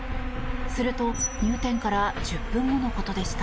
すると、入店から１０分後のことでした。